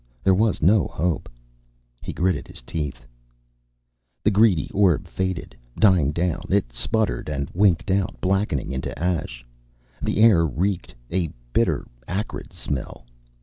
There was no hope. He gritted his teeth The greedy orb faded, dying down. It sputtered and winked out, blackening into ash. The air reeked, a bitter acrid smell.